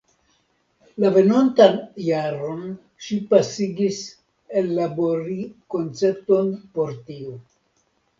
La venontan jaron ŝi pasigis ellabori koncepton por tio.